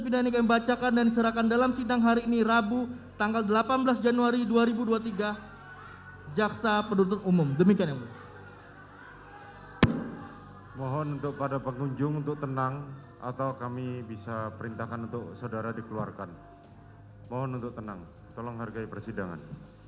lima menjatuhkan pidana terhadap terdakwa putri candrawati dengan pidana penjara selama delapan tahun